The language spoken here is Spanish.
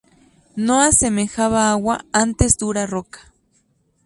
No asemejaba agua, antes dura roca.